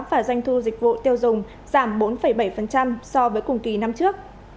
và doanh thu dịch vụ tiêu dùng giảm bốn bảy so với cùng kỳ năm trước